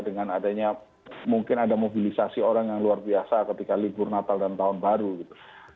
dengan adanya mungkin ada mobilisasi orang yang luar biasa ketika libur natal dan tahun baru gitu